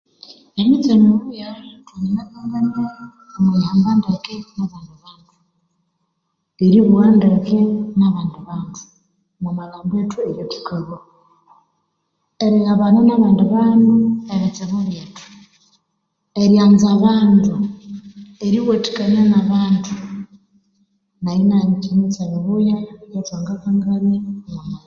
Emitse mibuya thanginakanganiayo omwiyihamba ndeke omwa bandi bandu eribugha ndeke nabandi bandu omumalhambo ethu eyathukalhwa erighabana nabandi bandu ebitsibu byethu eryanza abandu eriwathikania nabandi bandu neyo nayo nimitse mibuya eyothwangakangania omu malhambu ethu